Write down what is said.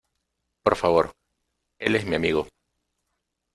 Por favor. Él es mi amigo .